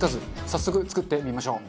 早速作ってみましょう。